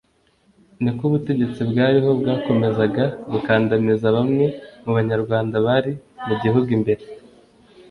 ni ko ubutegetsi bwariho bwakomezaga gukandamiza bamwe mu Banyarwanda bari mu gihugu imbere,